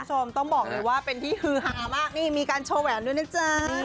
ต้องบอกเลยว่าเป็นที่ฮือฮามากนี่มีการโชว์แหวนด้วยนะจ๊ะ